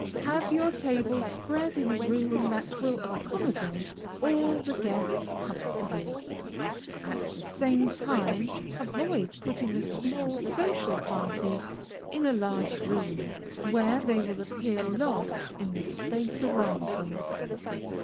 Have your table spread in a room that will accommodate all the guests comfortably, at the same time avoid putting a small social party in a large room, where they will appear lost in the space around them.